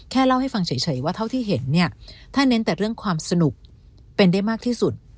เล่าให้ฟังเฉยว่าเท่าที่เห็นเนี่ยถ้าเน้นแต่เรื่องความสนุกเป็นได้มากที่สุด